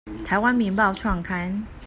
臺灣民報創刊